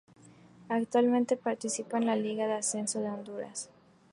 Actualmente participa en la Liga de Ascenso de Honduras.